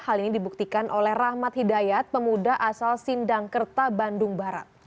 hal ini dibuktikan oleh rahmat hidayat pemuda asal sindangkerta bandung barat